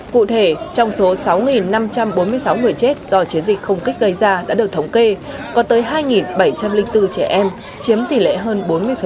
cụ thể trong số sáu năm trăm bốn mươi sáu người chết do chiến dịch không kích gây ra đã được thống kê có tới hai bảy trăm linh bốn trẻ em chiếm tỷ lệ hơn bốn mươi